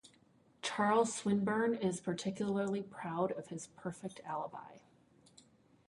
Charles Swinburn is particularly proud of his perfect alibi.